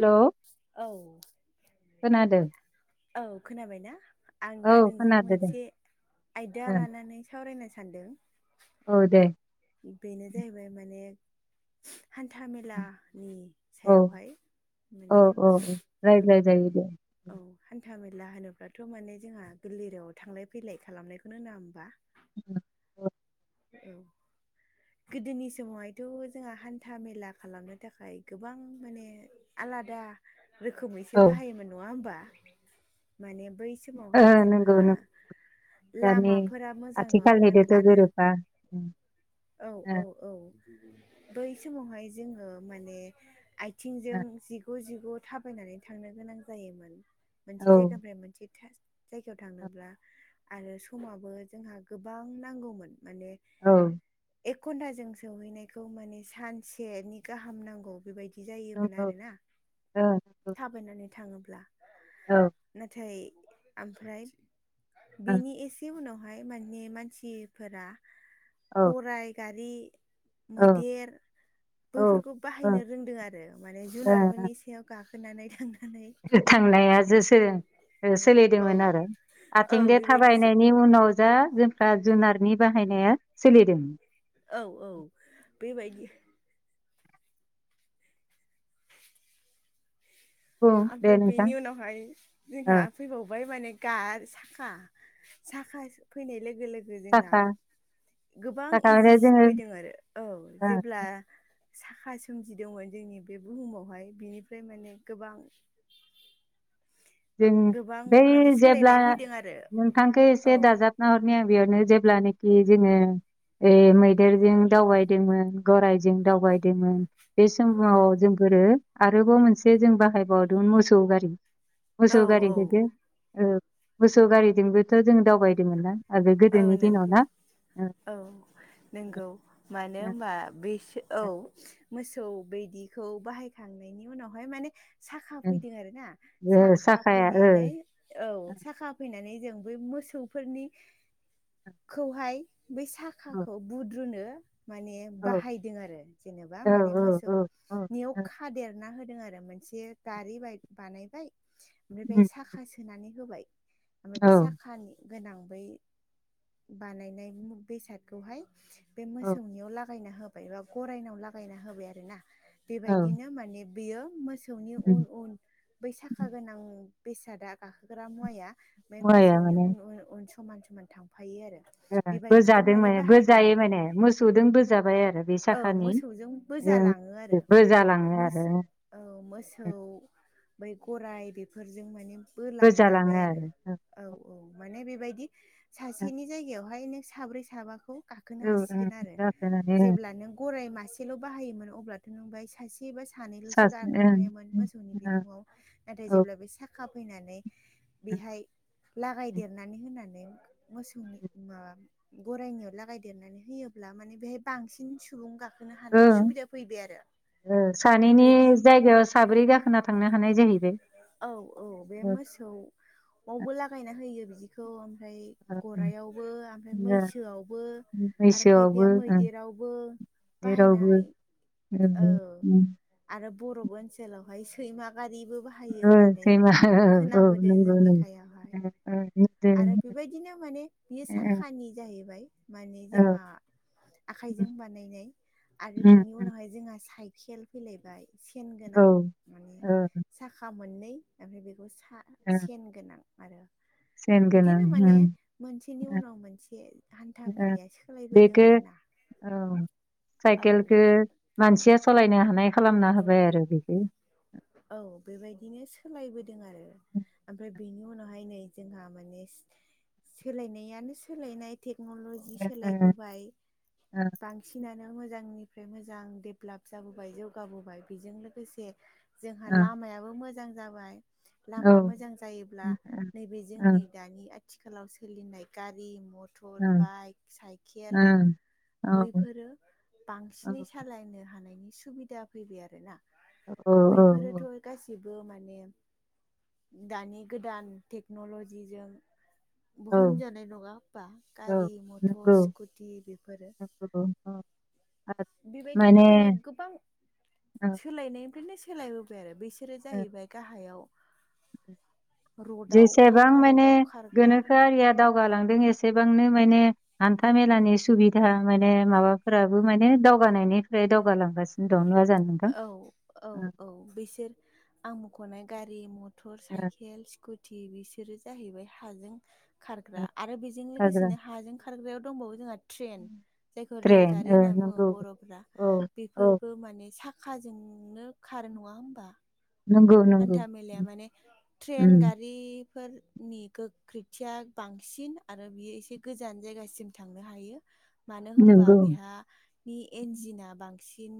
Hello औ खोनादों औ खोनाबाय ना? आं दा औ नोंजों खोनादों दे मोनसे आयदा ओं, लानानै सावरायनो सानदों। औ दे बेनो जाहैबाय माने हान्था मेलानि औ सायावहाय औ माने औ ओं रायज्लाय जायो दे औ हान्था मेला होनोब्लाथ' माने जोंहा गोरलैराव थांलाय फैलाय खालामनायखौनो नाङा होमबा, औ औ गोदोनि समावहायथ' जोंहा हान्था मेला खालामनो थाखाय गोबां माने आलादा रोखोमैसो औ ओ बाहायोमोन नङा होमबा माने बै बे समावहाय जोंहा नंगौ नों दानि लामाफोरा मोजां नङामोन आथिखालनिदोथ' आरो गोरोबा उम, औ औ औ बै समावहाय जोंङो माने थिंजों जिग जिग थाबायनानै थांनो गोनां जायोमोन। ओ मोनसे जायगानिफ्राय मोनसे थास जायगायाव औ थांनोब्ला आरो समाबो जोंहा गोबां नांगौमोन माने औ एक घन्टाजों सहैनायखौ माने सानसेनि गाहाम नांगौ बेबायदि दि जायोमोन नंगौ आरोना औ थाबायनानै थाङोब्ला औ नाथाय आमफ्राय औ बेनि एसे उनाव हाय माने मानसिफोरा औ गराय गारि औ मैदेर ओ बैफोरखौ ओ बाहायनो रोंदों आरो माने जुनारफोरनि सायाव गाखोनानै थांङो थांनाया जोसो ओ औ सोलिदोंमोन आरो औ आथिं दे बेबायदिसो थाबायनायनि उनाव जा जोंफ्रा जुनारनि बाहायनाया सोलिदों औ औ बेबायदि बुं दे आमफ्राय नोंथां बेनि उनावहाय ओ जोंहा फैबावबाय माने गा - साखा साखा फैनाय लोगो लोगो जो - जोंना साखा गोबां थाखायनो इजिसिम जोङो फैदों आरो औ ओ जेब्ला साखा सोमजिदोंमोन जोंनि बे बुहुमावहाय बिनिफ्राय माने गोबां जों गोबां बै माने जेब्ला सोलायनाय फैदों आरो नोंथांखौ औ एसे दाजाब नाहरनाया बेयावनो जेब्लानाखि जोंङो ए मैदेरजों दावबायदोंमोन गराय जों दावबायदोंमोन बे समाव जोंफोरो आरोबाव मोनसे जों बाहायबावदोंमोन मोसौ गारि औ मोसौ गारि औ होदो ओ मोसौ गारिजोंबोथ' जों दावबायदोंमोन ना आरो औ गोदोनि दिनाव नंगौ ना ओ औ नंगौ मानो होमबा बेसोर औ मोसौ बेदिखौ बाहायखांनायनि उनावहाय माने साखा फैदों आरो ना ओ साखा साखाया ओ फैनानै औ साखा फैनानै जों बेै मोसौफोरनि खौहाय बै औ साखाखौ बुद्रुनो माने औ बाहायदों आरो जेनेबा औ माने मोसौ औ नियाव औ खादेरना होदों आरो मोनसे गारि बाय- बानायबाय ओमफ्राय बेहाय साखा सोनानै होबाय ओमफ्राय बे औ साखानि गोनां बै बानायनाय मु- बेसादखौहाय बे मोसौनियाव लागायना होब बाय बा गरायनाव लागायना होबाय आरो ना बेबायदिनो माने बेयो मोसो मोसौनि औ उन उन बै औ साखा गोनां बेसादा गाखोग्रा मुवाया ओमफ्राय मुवाया मोसौनि माने उन उन उन समान समान थांफायो आरो बेबायदिबो बोजादों माने मान बाहायदोंमोन बोजायो माने मोसौजों बोजाबाय आरो बे औ साखानि मोसौजों बोजा ओं लाङो आरो बोजालाङो मोस आरो ओं औ मोसौ ओं बै गराइ बेफोरजों माने बोलांजाबाय आरो औ औ माने बेबायदि सासेनि जायगायावहाय नों साब्रै साबा गाखोनो औ ओं हासिगोन आरो जाफैनानै ओं जेब्ला नों गराय मासेल' बाहायोमोन अब्ला बाय सासे बा सानैल'सो सासे गाखोनो ओं हायोमोन ओं मोसौनि बिखुंआव नाथाय औ जेब्ला बे साख खाफैनानै ओं बेहाय लागायदेरनानै होनानै मोसौनि माबा गरायनियाव लागायदेरनानै होयोब्ला माने बेहाय बांसिन सुबुं गाखो खोनो हानाय ओं सुबिदा फैबाय आरो ओ सानैनि बेबायदि जायगायाव साब्रै गाखोना थांनो हानाय जायो औ औ बे मोसौआवबो लागायना होयो बिदिखौ ओमफ्राय ओ ओ गराइआवबो ओमफ्राय मैसोआवबो आरो मैसोआवबो खायफाया ओ मैदेरावबो जेरावबो बाहायनाय ओ औ उम आरो बरफ ओनसोलावहाय सैमा गारिबो बाहाय यो ओ होननानै सैमा औ औ खोनाबोदों जों नंगौ नंगौ लेखायावहाय ओ आरो बेबायदिनो माने बियो ओ साखानि जाहैबाय माने ओ जोंहा औ आखाइजों बानायनाय आरो उम बिनि उम उनावहाय जोंहा साइकेल फैलायबाय सेन औ गोनां माने ओ साखा मोननै ओमफ्राय बेखौ सा ओ सेन गोनां आरो सेन गोनां बिदिनो माने उम मोनसेनि ओ उनाव मोनसे हान्था ओ मेलाया सोलायबोदों बेखो आरोना औ औ साइकेलखौ मानसिया सलायनो हानाय खालामना औ होबाय बे आरो बेदि औ बेबायदिनो सोलायबोदों आरो ओमफ्राय बेनि उनावहाय नै जोंहा माने सोलायनायानो सोलायनाय टेक्न'ल'जि ओ सोलायबोबाय बांसिनानो मोजांनिफ्राय मोजां देब्लाप जाबोबाय जौगाबोबाय बेजों लोगोसे जोंहा लामायाबो मोजां जाबाय ओ लामा मोजां जायोब्ला औ नैबे ओ जोंनि दानि आथिखालाव सोलिनाय गारि मथ थर ओ बाइक साइकेल ओ बैफोरो औ बांसिनै सालायनो हानायनि सुबिदा फैबाय आरोना [inaudible] बैफोरोथ' गासिबो माने दानि गोदान टेक्न'ल'जिजों औ बहन जानाय नङा होमबा औ गारि मथर नंगौ स्कुटि बेफोरो औ आरो बेबायदिनो माने गोबां ओ सोलायनायनिफ्रायनो सोलायबोबाय आरो बिसोरो ओ जाहैबाय गाहायाव रडआव जेसेबां फाक्का माने रडआव खारग्रा गोनोखोआरिया दावगालांदों एसेबांनो माने हान्था मेलानि सुबिदा माने माबा फोराबो माने दावगानायनिफ्राय दावगालांगासिनो दं नङा जानो नोंथां? औ औ औ बिसोर आं मख'नाय गारि मथ थर साइकेल स्कुटि बिसोरो जाहैबाय हाजों खारग्रा आरो बेजों खारग्रा लोगोसेनो हाजों खारग्रायाव दंबावो जोंहा ट्रेन जायखौ ट्रेन रेलगारि ओ होनना बुङो नंगौ बर'फोरा औ बेफोर औ माने साखाजोंनो खारो नङा होमबा नंगौ नंगौ हान्था मेलाया माने ट्रेन उम गारि बेफोरनि गोख्रैथिया बांसिन आरो बियो एसे गोजान जायगासिम थांनो हायो मानो होनबा नंगौ बेहानि इन्जिना बांसिन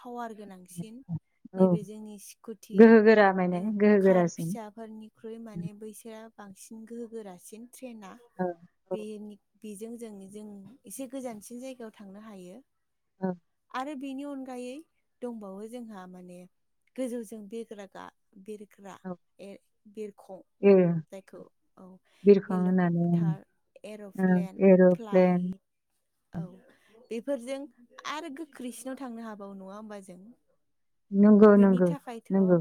पावार गोनांसिन औ नैबे जोंनि स्कुटि [unintelligible] कार गोरासिन फिसाफोरनिख्रुइ माने बैसोरा बांसिन गोहो गोरासिन ट्रेना औ औ बेनि बेजों जों जों एसे गोजानसिन जायगायाव थांनो हायो औ आरो बेनि अनगायै दंबावो जोंहा माने गोजौजों बिरग्रा गा बिरग्रा औ बिरखं ए जायखौ औ। बिरखं होननानै हेलिकप्टार, ओं एर'प्लेन, एर'प्लेन फ्लाइट, औ बेफोरजों आरो गोख्रैसिनाव थांनो हाबावो नङा होमबा जों। नंगौ बिनि नंगौ थाखायथ' नंगौ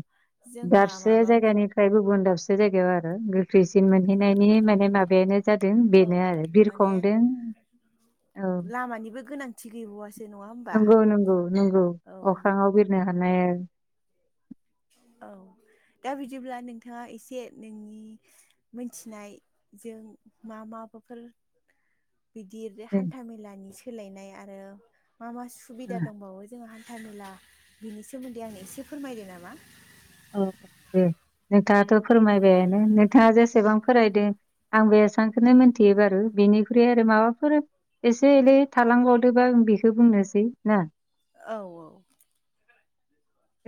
जोंहा दाबसे माबानि जायगानिफ्राय गुबुन दाबसे जायगायाव आरो गोख्रैसिन मोनहैनायनि माने माबायानो जादों औ बेनो आरो माने बिरखंदों। औ लामानिबो गोनांथि गैबावआसो नंगौ नंगौ नंगौ अख्रांआव बिरनो हानाय औ दा बिदिब्ला नोंथांङा एसे नोंनि मोनथिनाय जों मा माफोर बिदि हान्था मेलानि सोलायनाय आरो मा मा सुबिदा औ दंबावो जोंङो हान्था मेला बिनि सोमोन्दै आंनो एसे फोरमायदो नामा? औ औ दे नोंथाङाथ' फोरमायबायानो नोंथांङा जेसेबां फरायदों आं बे सानखौननो मिथियो बारु बिनिख्रुइ आरो माबाफोर एसे एलै थालांबावदोबा आं बेखौ बुंनोसै ना औ औ।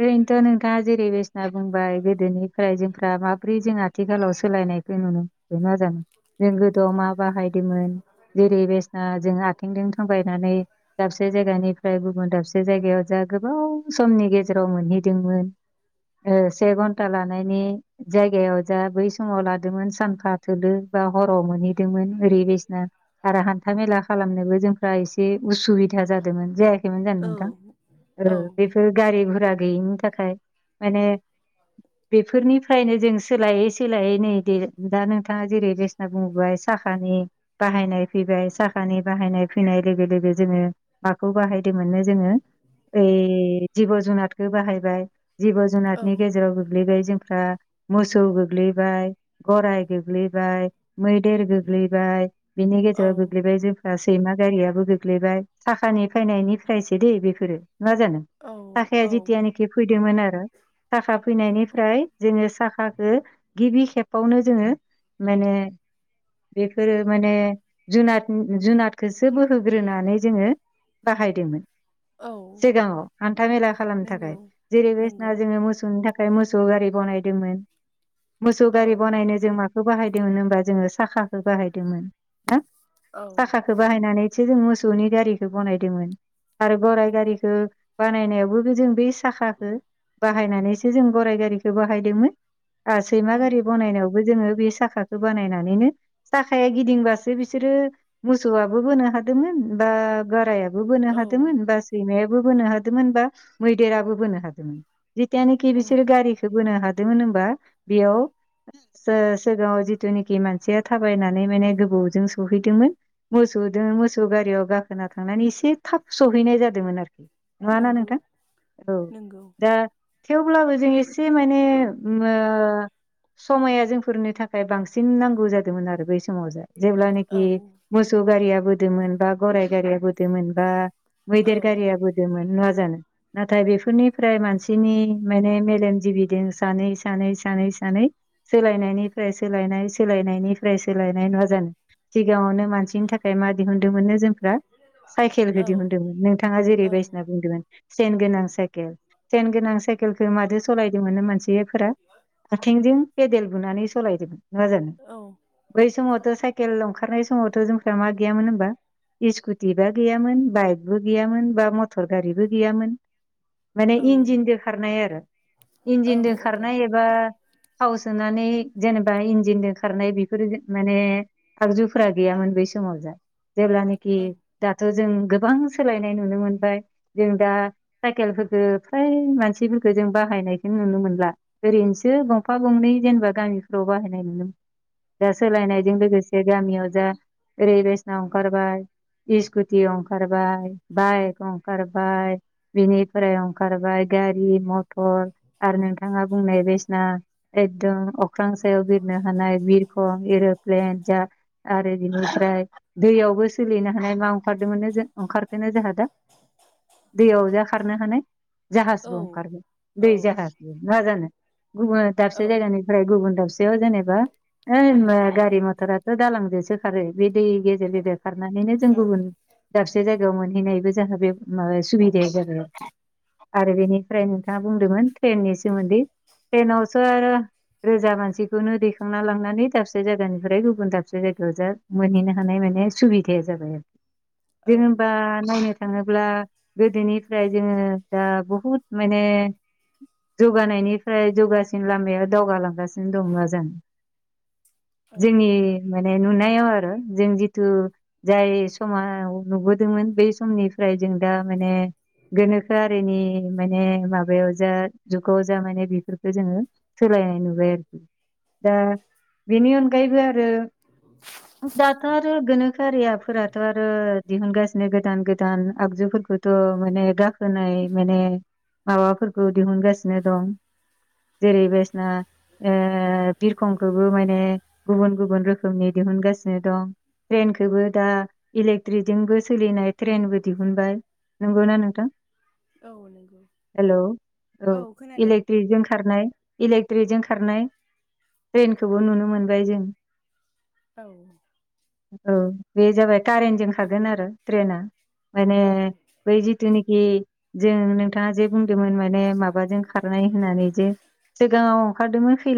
ओरैनोथ' नोंथांङा जेरै बेसना बुंबाय गोदोनि रायजोफ्रा माब्रै जों आथिखालाव सोलायनायखौ नुनो [unintelligible] जों गोदोआव मा बाहायदोंमोन जेरै बेस् जों आथिंजों थाबायनानै दाबसे जायगानिफ्राय गुबुन दाबसे जायगायाव जा गोबाव समनि गेजेराव गेजेराव मोनहैदोंमोन से घन्टा लानायनि जायगायाव जा बै समाव लादोंमोन सानफा थोलो बा हराव मोनहैदोंमोन। ओरै बायसिना आरो हान्था मेला खालामनोबो जों फ्राय एसे उसुबिदा जादोंमोन जायाखैमोन जानो औ नोंथां। ओ औ बेफोर गारि गुरा गैयिनि थाखाय माने बेफोरनि फ्रायनो जों सोलायै सोलायै नै दा नोंथांङा जेरै रेसना बुंबाय साखानि बाहायनाय फैबाय साखानि बाहायनाय फैनाय लोगो लोगो जोंङो माखौ बाहाय बिदिनो मोनो जोंङो ओइ जिब' -जुनादखौ बाहायबाय जिब' औ जुनारनि गेजेराव गोग्लैबाय जोंफ्रा मोसौ गोग्लैबाय गराय गोग्लैबाय मैदेर, गोग्लैबाय बिनि औ गेजेराव गोग्लैबाय दा सैमा गारियाबो गोग्लैबाय, थाखानि फैनायनिफ्रायसो दैे बेफोरो न'डा जानो। औ साखाया औ। जेथियानोखि फैदोंमोन आरो। साखा फैनायनिफ्राय जोंङो साखाखौ गिबि खेबावनो जोंङो। माने बेफोरो माने जुनाद जुनादखौसो बोहोग्रोनानै जोंङो बाहायदोंमोन। औ सिगांङाव हान्था मेला खालामनो नंगौ थाखाय। जेरै बायदिसना नंगौ जोंङो मोसौनि थाखाय मोसौ गारि बनायदोंमोन मोसौ औ गारि बनायनो थाखाय जों माखौ बाहायदोंमोन होमबा जोंङो साखाखौ बाहायदोंमोन औ साखाखौ बाहायनानै मोसौ गारिखौ बदोंमोन। आरो गराय गारिखौ बानायनायबो जों बे साखाखौ बाहायनानैसो जों गराइ गारिखौ बाहायदोंमोन ओ सैमा औ गारि बनायनायावबो जोंङो बे साखाखौ बानायनानैनो थाखाय गिदिंबासो बिसोरो मोसौआबो होनो हादोंमोन। बा गाराया बोनो औ हादोमोन, बा सैमायाबो बोनो हादोमोन, बा मैदेराबो बोनो हादोमोन। जिथियानखि औ बिसोरो गारिखौ बोनो हादोंमोन होमबा बेयाव सिगांङाव जिथुनिखि मानसिया थाबायनानै माने गोबावजों सहैदोंमोन मोसौजों मोसौ गारियाव गाखोना थांनानै एसे थाब सहैनाय जादोंमोन आरोखि। नंङा ना नंगौ नोंथां। औ नंगौ दा थेवब्लाबो जों एसे माने ओ मो समाया जोंफोरनि थाखाय बांसिन नांगौ जादोंमोन आरो। बै समाव जाय औ जेब्लानाखि मोसौ गारिया बोदोमोन बा गराइ गारिया बोदोमोन बा औ मैदेर गारियाबोदोमोन नङा जानो? नाथाय बेफोरनिफ्राय मानसिनि माने मेलेमजिबिदों सानै सानै सानै सानै सोलायनायनिफ्राय सोलायनाय सोलायनायनिफ्राय सोलायनाय नङा जानो? सिगाङावनो मान सिन थाखाय मा दिहुनदोंमोननो जोंफ्रा साइकेलखौ औ दिहुनदोंमोन नोंथांङा जेरै औ बायदिसिना बुंदोंमोन। सेन गोनां साइकेल सेन गोनां साइकेलखो मादो सालायदोंमोननो मानसिफोरा? आथिंजों पेदेल बुनानै सालायदोंमोन। नङा जानो? औ बै समावथ' साइकेल ओंखारनाय समावथ' जोंफ्रा मा गैयामोन होनबा? इस्कुटि बा गैयामोन बायकबो गैयामोन बा मटर गारि गैयामोन माने औ इनजेन दोगायनाय आरो औ इनजिन दोखारनाय बा थाव सोनानै जेनेबा इन्जिनदों खारनाय बेफ फोर माने आगजुफोरा गैयामोन बै समाव जा जेब्लानाखि औ दाथ' जों गोबां सोलायनाय नुनो मोनबाय। जों दा साइकेलफोरखो फ्राय मानसिफोरखो जों बाहायनायखौ नुनो मोनला। ओरैनोसो गंफा गंनै जेनेबा गामिफोराव बाहायनाय नुनो मोनो। दा सोलायनायजों लोगोस से गामियाव जा ओरै रेसनाव ओंखारबाय। इस्कुटि ओंखारबाय बायक ओंखार बाय बिनिफ्राय ओंखारबाय गारि, मथर आरो नों थाङा बुंनाय बेसना एकदम अख्रां सायाव बिरनो हानाय बिर खं इरुप्लेन जा आरो बिनिफ्राय दैयावबो सोलिनो हानाय मा ओंखारदोंमोननो जों ओंखारखोनो जोंहा दा? [inaudible] दैयाव जा खारनो हानाय जाहाजबो ओंखारबाय दै जाहाज। नङा जानो गुबुना औ दाबसे जायगानिफ्राय गुबुन दाबसेयाव जेनेबा ओइ मो औ गारि मथराथ' दालांजोंसो खारो। बे दै गेजेर गेजेर खारनानैनो जों औ गुबुन दाबसे जायगायाव मोनहैनायबो जोंहा बे माबा सुबिदाया जाजोबो‌। आरो बेनिफ्राय नोंथाङा बुंदोंमोन ट्रेननि सोमोन्दै। ट्रेनावसो आरो रोजा मानसिखौनो दैखांना लांनानै दाबसे जायगानिफ्राय गुबुन दाबसे जायगायाव जा मोनहैनो हानाय माने सुबिदाया जाबाय आरो। औ जों होमबा नायनो थाङो ब्ला गोदोनिफ्राय जोङो दा बहुद माने जौगानायनिफ्राय जौगासिन लामाया दावगालांगासिनो दं ना जों। औ जोंनि माने नुनायाव आरो जों जिथु जाय समाव नुबोदोंमोन बै समनि फ्राय जों दा माने गोनोखोआ हारिनि माने माबायाव जा जुगाव जा माने बेफोरखौ जोङो। सोलायनाय नुबाय आरोखि दा बेनि अनगायैबो आरो दाथ' आरो गोनोखोआरियाफोराथ' आरो दिहुनगासिनो गोदान गोद दान आगजुफोरखौथ' माने गाखोनाय माने माबाफोरखौ दिहुनगासिनो दं। जेरै बायसिना ओ बिरखंखौबो माने गुबुन गुबुन रोखोमनि दिहुनगासिनो दं। ट्रेनखोबो दा इलेक्ट्रिकजोंबो सोलिनाय ट्रेनबो दिहुनबाय नंगौना नोंथां? औ नंगौ हेलौ‌ औ इलेक्ट्रिकजों खारनाय इलेक्ट्रिकजों खारनाय ट्रेनखौबो नुनो मोनबाय जों औ औ बे जाबाय कारेन्ट जों खागोन आरो ट्रेनाआ। माने औ बै जिथुनाखि जों नोंथाङा जे बुंदोंमोन माने माबाजों खारनाय होननानै। जे सिगाङाव ओंखारदोंमोन खैला